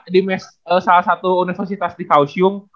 di mes salah satu universitas di kaohsiung